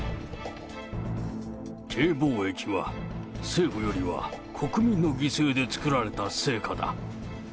Ｋ防疫は、政府よりは国民の犠牲で作られた成果だ。